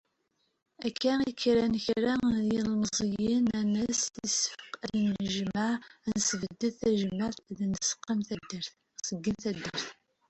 Akka i kkren kra n n yilemẓiyen, nnan-as, issefk ad nennejmeɛ, ad d-nesbedd tajmeɛt, ad nseggem taddart.